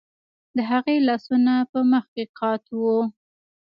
د هغې لاسونه په مخ کې قات وو